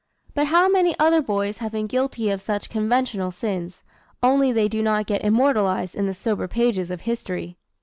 But how many other boys have been guilty of such conventional sins only they do not get immortalized in the sober pages of history!